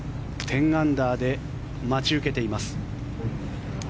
１０アンダーで待ち受けています。